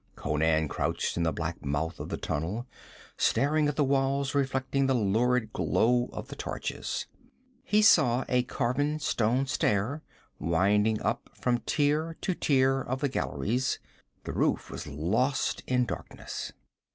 Conan crouched in the black mouth of the tunnel, staring at the walls reflecting the lurid glow of the torches. He saw a carven stone stair winding up from tier to tier of the galleries; the roof was lost in darkness.